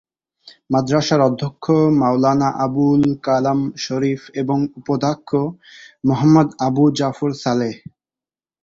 মাদ্রাসার অধ্যক্ষ মাওলানা আবুল কালাম শরীফ এবং উপাধ্যক্ষ মোহাম্মদ আবু জাফর সালেহ।